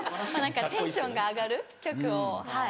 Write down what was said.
テンションが上がる曲をはい。